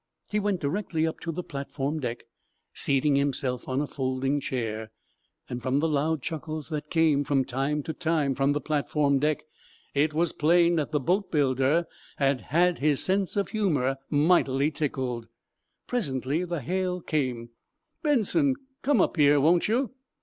He went directly up to the platform deck, seating himself on a folding chair. From the loud chuckles that came, from time to time, from the platform deck, it was plain that the boatbuilder had had his sense of humor mightily tickled. Presently, the hail came: "Benson, come up here, won't you?"